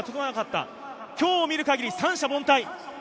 ただ今日見る限り、三者凡退。